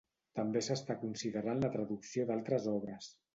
També s'està considerant la traducció d'altres obres.